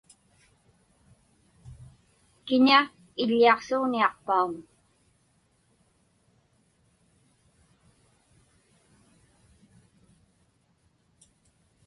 Kiña iḷḷaiqsuġniaqpauŋ?